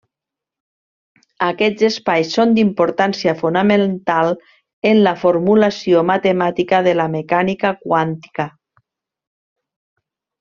Aquests espais són d'importància fonamental en la formulació matemàtica de la mecànica quàntica.